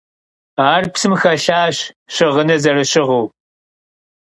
Ar psım xelhaş, şığınır zerışığıu.